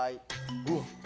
うわっ！